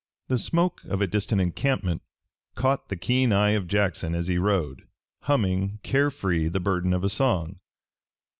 The smoke of a distant encampment caught the keen eye of Jackson as he rode, humming, care free, the burden of a song.